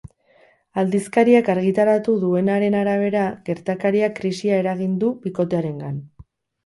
Aldizkariak argitaratu duenaren arabera, gertakariak krisia eragin du bikotearengan.